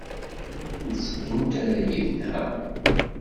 Ur tteddunt ara yid-neɣ?